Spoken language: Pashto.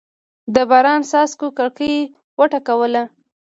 د باران څاڅکو کړکۍ وټکوله.